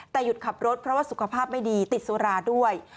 แต่หยุดขับรถเพราะว่าสุขภาพไม่ดีติดสุราด้วย